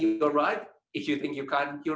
jika kamu berpikir kamu tidak kamu benar juga